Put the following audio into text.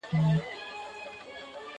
ځوانه د لولیو په بازار اعتبار مه کوه!.